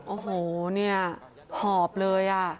โอ้โหนี่หอบเลยอ่ะ